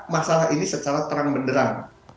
masalah ini secara terang benderang